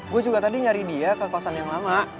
gue juga tadi nyari dia ke kosan yang lama